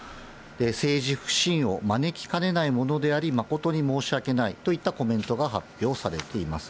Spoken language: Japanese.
政治不信を招きかねないものであり、誠に申し訳ないといったコメントが発表されています。